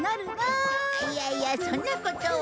いやいやそんなことは。